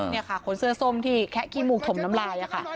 เนี่ยค่ะขนเสื้อสมที่แคะกินหมูกถมน้ำลาย